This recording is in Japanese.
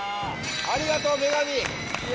ありがとう女神！